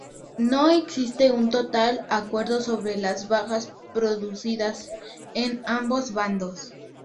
No existe un total acuerdo sobre las bajas producidas en ambos bandos.